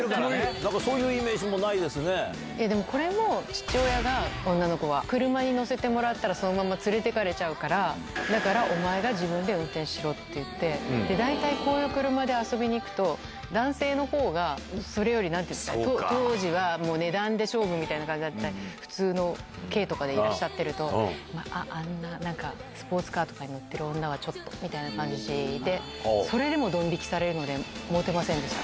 だからそういうイメージもなでもこれも父親が、女の子は車に乗せてもらったら、そのまま連れていかれちゃうから、だからお前が自分で運転しろって言って、大体こういう車で遊びに行くと、男性のほうが、それよりなんて言うんですか、当時は値段で勝負みたいな感じだった、普通の軽とかでいらっしゃってると、あんな、スポーツカーとかに乗ってる女はちょっと、みたいな感じで、それでもどん引きされるので、もてませんでした。